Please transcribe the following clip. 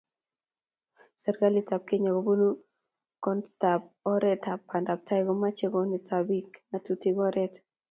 Serikalitab Kenya kobun konastab oret ak bandaptai komache konet bik ngatutikab oret